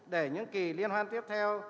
để những kỳ liên hoan tiếp theo